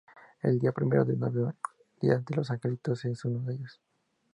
El día primero de noviembre, día de los angelitos es uno de ellos.